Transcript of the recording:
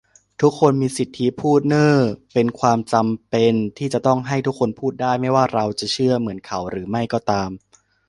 ทุกคนมีสิทธิพูดเน้อ เป็นความจำเป็นที่จะต้องให้ทุกคนพูดได้ ไม่ว่าเราจะเชื่อเหมือนเขาหรือไม่ก็ตาม